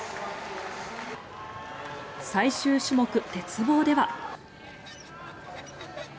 最終種目、鉄棒では。